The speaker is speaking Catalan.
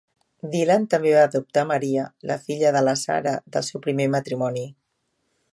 Dylan també va adoptar Maria, la filla de la Sara del seu primer matrimoni.